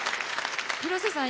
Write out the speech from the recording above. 広瀬さん